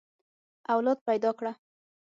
اولاد پيدا کړه.